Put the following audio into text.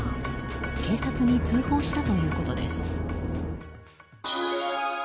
警察に通報したということです。